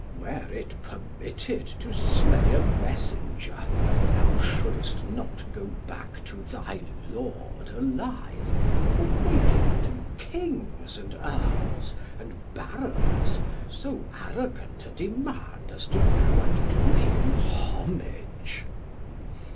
"Were it permitted to slay a messenger, thou shouldest not go back to thy lord alive, for making unto Kings, and Earls, and Barons, so arrogant a demand as to go and do him homage."